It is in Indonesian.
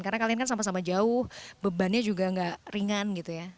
karena kalian kan sama sama jauh bebannya juga gak ringan gitu ya